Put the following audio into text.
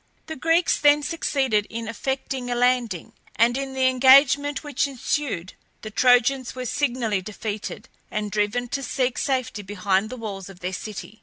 The Greeks then succeeded in effecting a landing, and in the engagement which ensued the Trojans were signally defeated, and driven to seek safety behind the walls of their city.